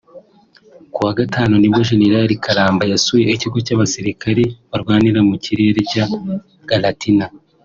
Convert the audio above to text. Ku wa Gatanu nibwo Gen Karamba yasuye Ikigo cy’abasirikare barwanira mu kirere cya Galatina